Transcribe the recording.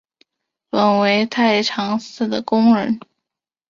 本为太常寺的工人。